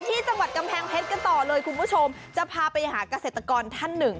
ที่จังหวัดกำแพงเพชรกันต่อเลยคุณผู้ชมจะพาไปหาเกษตรกรท่านหนึ่ง